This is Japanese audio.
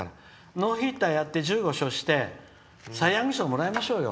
ノーヒッターやって１５勝してサイ・ヤング賞もらいましょう。